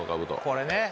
これね。